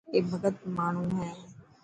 اي ڀڳت ماڻهو هي.